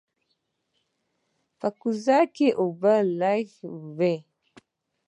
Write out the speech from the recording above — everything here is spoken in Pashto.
په کوزه کې اوبه لږې وې.